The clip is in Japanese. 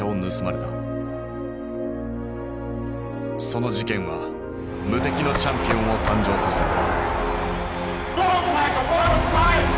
その事件は無敵のチャンピオンを誕生させる。